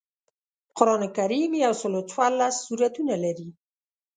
قران کریم یوسل او څوارلس سورتونه لري